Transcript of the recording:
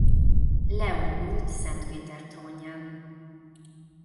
Leó ült Szent Péter trónján.